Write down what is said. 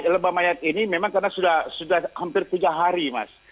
lebah mayat ini memang karena sudah hampir tiga hari mas